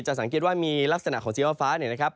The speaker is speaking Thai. สังเกตว่ามีลักษณะของจีน่าฟ้าเนี่ยนะครับ